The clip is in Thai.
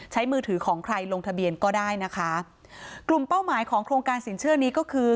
มือถือของใครลงทะเบียนก็ได้นะคะกลุ่มเป้าหมายของโครงการสินเชื่อนี้ก็คือ